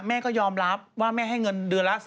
แม่ก็ยอมรับว่าแม่ให้เงินเดือนละ